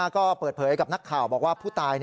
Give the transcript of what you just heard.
ก็เปิดเผยกับนักข่าวบอกว่าผู้ตาย